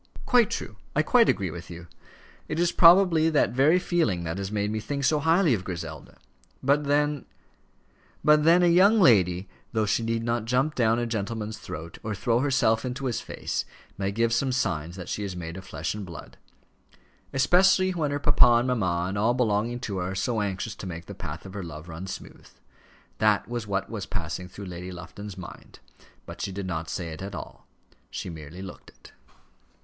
"Quite true! I quite agree with you. It is probably that very feeling that has made me think so highly of Griselda. But then " But then a young lady, though she need not jump down a gentleman's throat, or throw herself into his face, may give some signs that she is made of flesh and blood; especially when her papa and mamma and all belonging to her are so anxious to make the path of her love run smooth. That was what was passing through Lady Lufton's mind; but she did not say it all; she merely looked it.